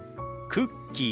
クッキー。